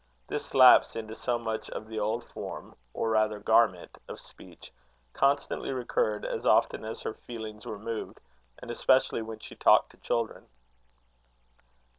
This lapse into so much of the old form, or rather garment, of speech, constantly recurred, as often as her feelings were moved, and especially when she talked to children.